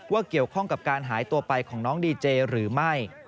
เกี่ยวข้องกับการหายตัวไปของน้องดีเจหรือไม่